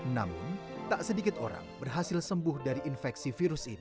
namun tak sedikit orang berhasil sembuh dari infeksi virus ini